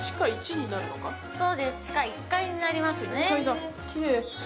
地下１階になりますね。